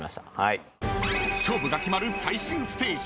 ［勝負が決まる最終ステージ］